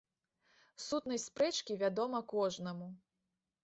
Сутнасць спрэчкі вядома кожнаму.